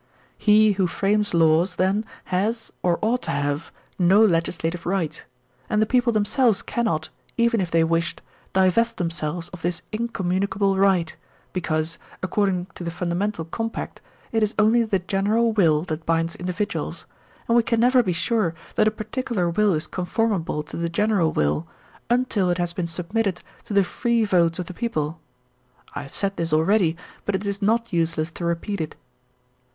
He who frames laws, then, has, or ought to have, no legislative right, and the people themselves cannot, even if they wished, divest themselves of this incommunicable right, because, according to the ftmdamental compact, it 36 THE SOCIAL CONTRACT is only the general will that binds individuals, and we can never be sure that a particular will is comformable to the general will until it has been submitted to the free votes of the people. I have said this already, but it is not useless to repeat it.